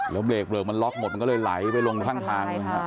แล้วเบรกมันล็อกหมดมันก็เลยไหลไปลงข้างทาง